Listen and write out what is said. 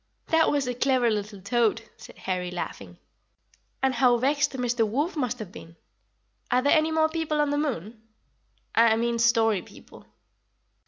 "That was a clever little toad," said Harry, laughing; "and how vexed Mr. Wolf must have been! Are there any more people on the moon I mean story people?"